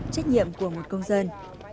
trách nhiệm của một công dân